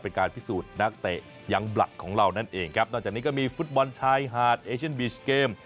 เป็นการพิสูจน์นักเตะยังบลัดของเรานั่นเองครับนอกจากนี้ก็มีฟุตบอลชายหาดเอเชียนบีชเกม